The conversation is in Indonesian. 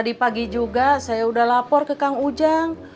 tadi pagi juga saya sudah lapor ke kang ujang